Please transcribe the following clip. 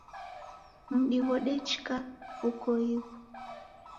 Mudi ghodechika ukoighu.